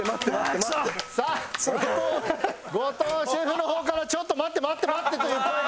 さあ後藤シェフの方から「ちょっと待って待って待って」という声が。